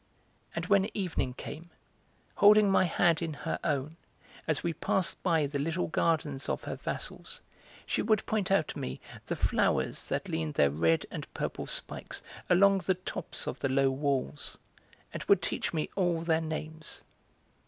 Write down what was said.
And when evening came, holding my hand in her own, as we passed by the little gardens of her vassals, she would point out to me the flowers that leaned their red and purple spikes along the tops of the low walls, and would teach me all their names.